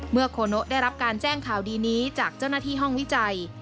โคโนได้รับการแจ้งข่าวดีนี้จากเจ้าหน้าที่ห้องวิจัย